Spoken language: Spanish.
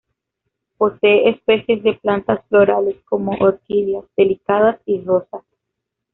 Posee especies de plantas florales como orquídeas, "delicadas", y rosas.